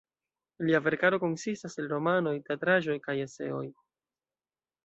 Lia verkaro konsistas el romanoj, teatraĵoj kaj eseoj.